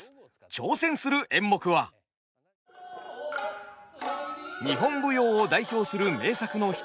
挑戦する演目は日本舞踊を代表する名作の一つ「藤娘」。